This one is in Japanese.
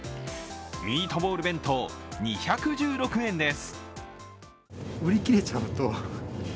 ミートボール弁当２１６円です。